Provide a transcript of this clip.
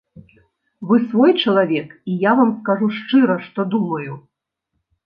Вы свой чалавек, і я вам кажу шчыра, што думаю.